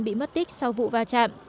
bị mất tích sau vụ va chạm